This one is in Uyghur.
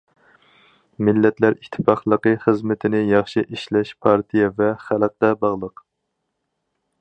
مىللەتلەر ئىتتىپاقلىقى خىزمىتىنى ياخشى ئىشلەش پارتىيە ۋە خەلققە باغلىق.